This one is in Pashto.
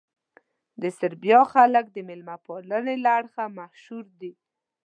د سربیا خلک د مېلمه پالنې له اړخه مشهور دي.